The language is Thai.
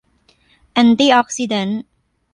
แอนติออกซิแดนท์